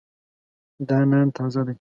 دا نان تازه دی.